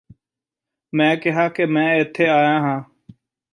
ਮੈਂ ਕਿਹਾ ਕਿ ਮੈ ਇਥੇ ਆਇਆ ਹਾਂ